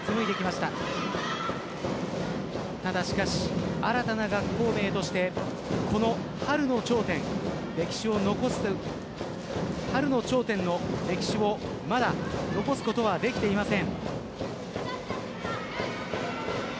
ただ、しかし新たな学校名として春の頂点の歴史をまだ残すことはできていません。